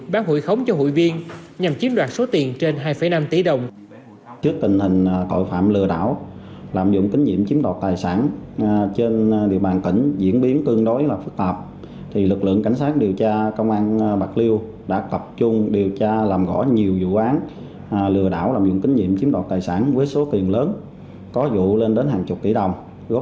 bán hụi khống cho hụi viên nhằm chiếm đoạt số tiền trên hai năm tỷ đồng